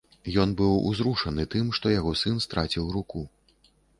Ён быў узрушаны тым, што яго сын страціў руку.